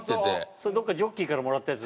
それどこかジョッキーからもらったやつ？